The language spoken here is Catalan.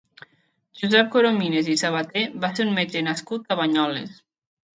Josep Corominas i Sabater va ser un metge nascut a Banyoles.